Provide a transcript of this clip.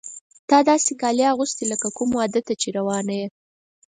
تا داسې کالي اغوستي دي لکه کوم واده ته چې روانه یې.